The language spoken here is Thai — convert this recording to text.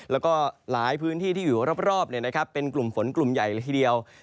แล้วก็หลายพื้นที่ที่อยู่รอบเนี่ยนะครับเป็นกลุ่มฝนกลุ่มใหญ่ทีเดียว